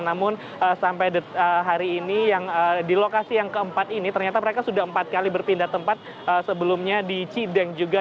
namun sampai hari ini di lokasi yang keempat ini ternyata mereka sudah empat kali berpindah tempat sebelumnya di cideng juga